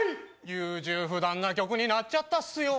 優柔不断な曲になっちゃったっすよ。